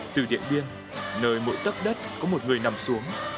từ điện viên nơi mỗi tấc đất có một người nằm xuống